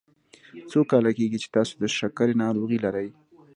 څو کاله کیږي چې تاسو د شکرې ناروغي لری؟